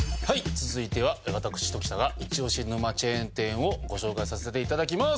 続いては私常田がイチオシ沼チェーン店をご紹介させて頂きます！